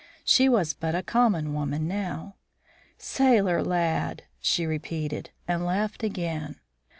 She was but a common woman now. "Sailor lad!" she repeated, and laughed again.